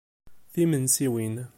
Timensiwin.